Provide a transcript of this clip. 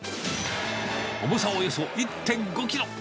重さおよそ１．５キロ。